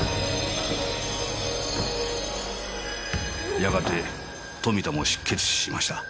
やがて富田も失血死しました。